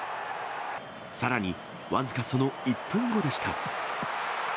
さらに、僅かその１分後でした。